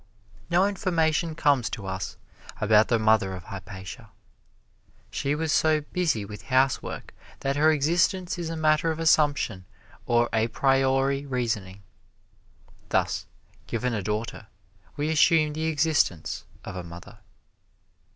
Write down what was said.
No information comes to us about the mother of Hypatia she was so busy with housework that her existence is a matter of assumption or a priori reasoning; thus, given a daughter, we assume the existence of a mother.